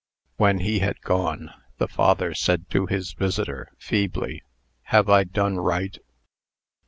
When he had gone, the father said to his visitor, feebly: "Have I done right?"